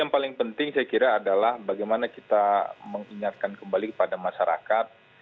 yang paling penting saya kira adalah bagaimana kita mengingatkan kembali kepada masyarakat